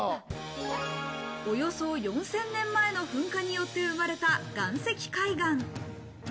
およそ４０００年前の噴火によって生まれた岩石海岸。